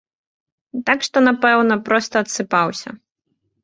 Так што напэўна, проста адсыпаўся.